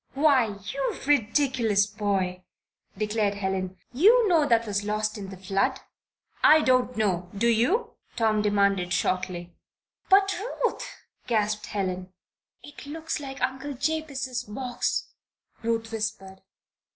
"Why, you ridiculous boy!" declared Helen. "You know that was lost in the flood." "I don't know. Do you?" Tom demanded, shortly. "But, Ruth!" gasped Helen. "It looks like Uncle Jabez's box," Ruth whispered.